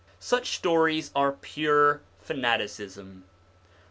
Such stories are pure fanaticism.